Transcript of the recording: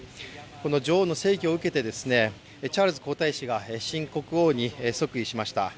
この女王の逝去を受けてチャールズ皇太子が新国王に即位しました。